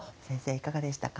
いかがでしたか？